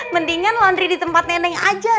mendingan lantri di tempat nenek aja